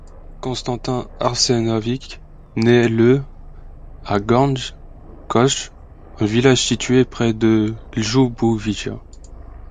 Konstantin Arsenović naît le à Gornje Košlje, un village situé près de Ljubovija.